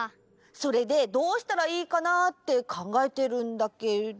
それでどうしたらいいかなってかんがえてるんだけど。